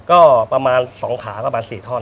ก็ประมาณ๒ขาประมาณ๔ท่อน